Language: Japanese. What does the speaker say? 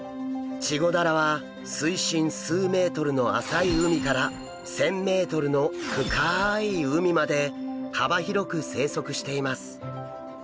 チゴダラは水深数ｍの浅い海から１，０００ｍの深い海まで幅広く生息しています。